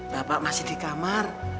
bapak masih di kamar